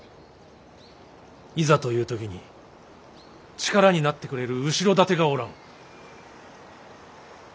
いざという時に力になってくれる後ろ盾がおらん。